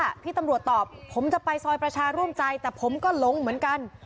ที่ตำรวจตอบผมจะไปซอยประชาร่วมใจแต่ผมก็หลงเหมือนกัน